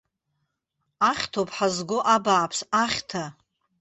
Ахьҭоуп ҳазго, абааԥс, ахьҭа!